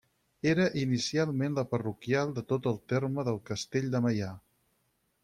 Era inicialment la parroquial de tot el terme del castell de Meià.